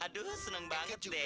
aduh senang banget deh